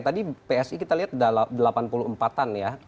tadi psi kita lihat delapan puluh empat an ya